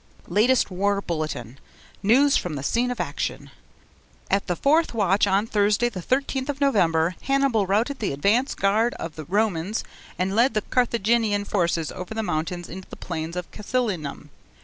LATEST WAR BULLETIN! News from the Scene of Action. At the fourth watch on Thursday the 13th of November, Hannibal routed the advance guard of the Romans and led the Carthaginian forces over the mountains into the plains of Casilinum.